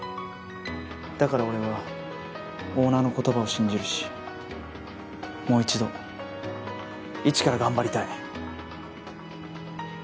だから俺はオーナーの言葉を信じるしもう１度一から頑張りたい。